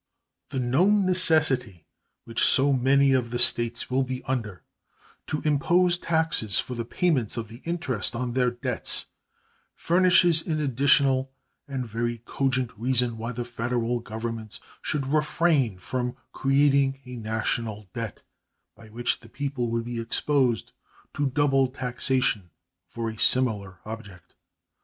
The known necessity which so many of the States will be under to impose taxes for the payment of the interest on their debts furnishes an additional and very cogent reason why the Federal Governments should refrain from creating a national debt, by which the people would be exposed to double taxation for a similar object.